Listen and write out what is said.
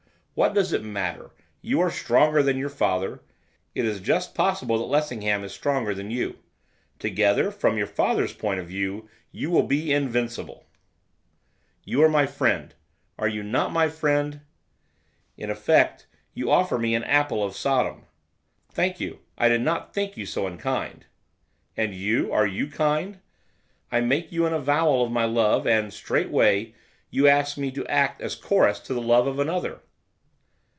what does it matter? You are stronger than your father, it is just possible that Lessingham is stronger than you; together, from your father's point of view, you will be invincible.' 'You are my friend, are you not my friend?' 'In effect, you offer me an Apple of Sodom.' 'Thank you; I did not think you so unkind.' 'And you, are you kind? I make you an avowal of my love, and, straightway, you ask me to act as chorus to the love of another.